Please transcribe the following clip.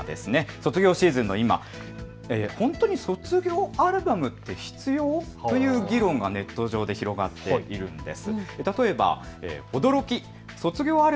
卒業シーズンの今、本当に卒業アルバムって必要？という議論がネット上で広がっているんです。